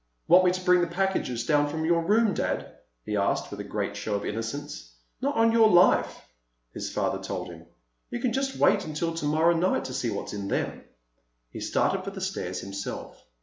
"Want me to bring the packages down from your room, Dad?" he asked, with a great show of innocence. "Not on your life," his father told him. "You can just wait until tomorrow night to see what's in them." He started for the stairs himself.